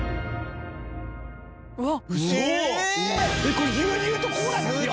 これ牛乳とコーラですよ！